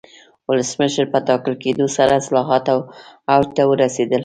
ولسمشر په ټاکل کېدو سره اصلاحات اوج ته ورسېدل.